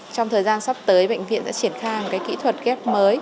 trong thời gian sắp tới bệnh viện sẽ triển khai một kỹ thuật ghép mới